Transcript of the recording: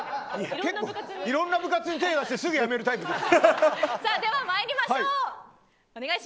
結構いろんな部活に手を出してすぐ辞めるタイプです。